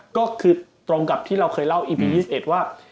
ก็คือตรงกับที่เราเคยเล่าอีพี๒๑ว่า